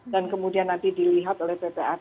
dan kemudian nanti dilihat oleh ppr